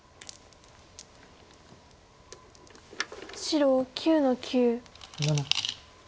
白９の九。